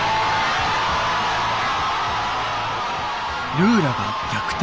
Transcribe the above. ルーラが逆転。